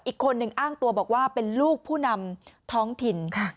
อีกคนหนึ่งอ้างตัวบอกว่าเป็นลูกผู้นำท้องถิ่น